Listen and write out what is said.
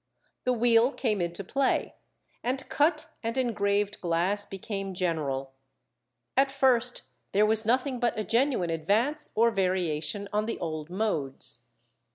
The wheel came into play, and cut and engraved glass became general. At first there was nothing but a genuine advance or variation on the old modes.